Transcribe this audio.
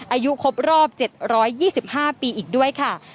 อายุครบรอบ๗๒๕ปีอีกด้วยค่ะ